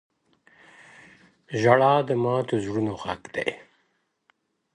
• ژړا د ماتو زړونو غږ دی.